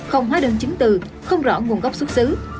không hóa đơn chứng từ không rõ nguồn gốc xuất xứ